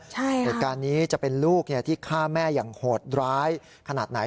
เหตุการณ์นี้จะเป็นลูกที่ฆ่าแม่อย่างโหดร้ายขนาดไหน